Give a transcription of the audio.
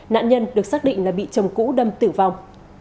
nạn nhân được xác định là bị chồng cũ đâm tử vong